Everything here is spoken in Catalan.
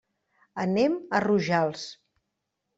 Anem a Rojals.